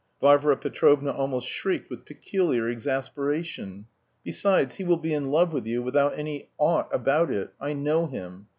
Varvara Petrovna almost shrieked with peculiar exasperation. "Besides, he will be in love with you without any ought about it. I know him.